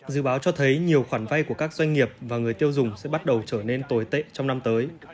dự báo cho thấy nhiều khoản vay của các doanh nghiệp và người tiêu dùng sẽ bắt đầu trở nên tồi tệ trong năm tới